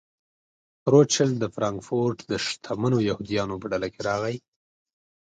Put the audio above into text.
روچیلډ د فرانکفورټ د شتمنو یهودیانو په ډله کې راغی.